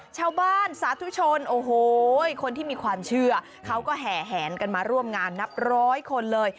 ชาวบ้านสาธุชนโอ้โหคนที่มีความเชื่อเขาก็แห่แหนกันมาร่วมงานนับร้อยคนเลย